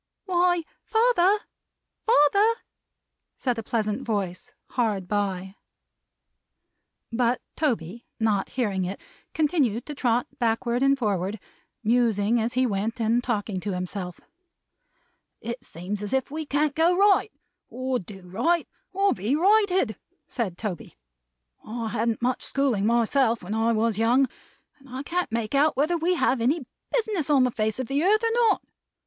"Why, father, father!" said a pleasant voice, hard by. But Toby, not hearing it continued to trot backward and forward: musing as he went, and talking to himself. "It seems as if we can't go right, or do right, or be righted," said Toby. "I hadn't much schooling, myself, when I was young; and I can't make out whether we have any business on the face of the earth, or not.